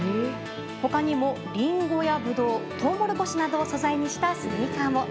他にも、リンゴやブドウトウモロコシなどを素材にしたスニーカーも。